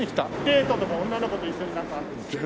デートとか女の子と一緒になんか。